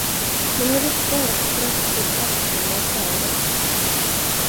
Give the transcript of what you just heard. Men hon ryckte endast föraktfullt på axlarna och svarade.